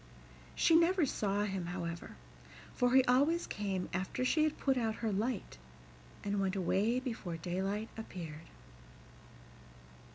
She never saw him, however, for he always came after she had put out her light, and went away before daylight appeared.